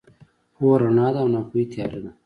پوهه رڼا ده او ناپوهي تیاره ده.